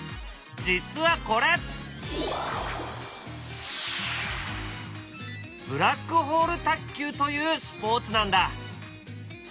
実はこれ「ブラックホール卓球」というスポーツなんだ。